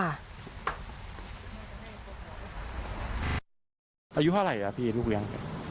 อายุเท่าไหร่พี่ลูกเลี้ยง